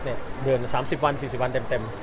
เดิน๓๐วัน๔๐วันเต็ม